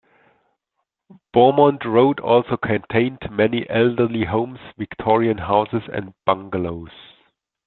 Beaumont road also contained many elderly homes, Victorian houses and bungalows.